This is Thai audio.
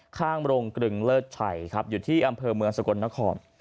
ข้างโรงกรึงเลิศชัยครับอยู่ที่อำเภอเมืองสกลนคร